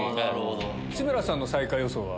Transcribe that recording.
志村さんの最下位予想は？